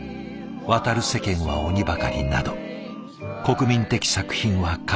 「渡る世間は鬼ばかり」など国民的作品は数知れず。